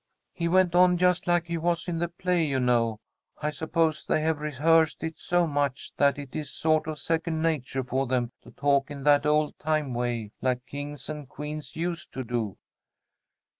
"He went on just like he was in the play, you know. I suppose they have rehearsed it so much that it is sort of second nature for them to talk in that old time way, like kings and queens used to do."